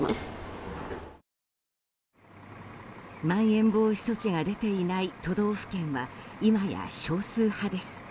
まん延防止措置が出ていない都道府県は今や少数派です。